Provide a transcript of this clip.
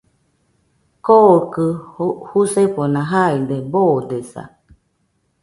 Kokɨ jusefona jaide boodesa.